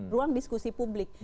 ruang diskusi publik